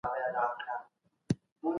زه بايد کور پاک کړم.